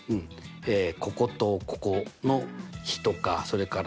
こことここの比とかそれからね